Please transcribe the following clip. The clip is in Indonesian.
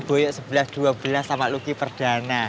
boyok sebelas dua belas sama luki perdana